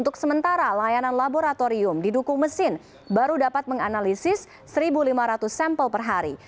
untuk sementara layanan laboratorium didukung mesin baru dapat menganalisis satu lima ratus sampel per hari